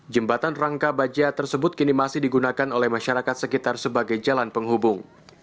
jembatan rangka baja tersebut kini masih digunakan oleh masyarakat sekitar sebagai jalan penghubung